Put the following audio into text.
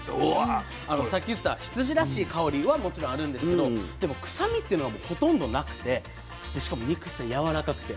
さっき言った羊らしい香りはもちろんあるんですけどでもくさみっていうのはほとんどなくてしかも肉質がやわらかくて。